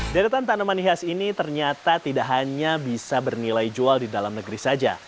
deretan tanaman hias ini ternyata tidak hanya bisa bernilai jual di dalam negeri saja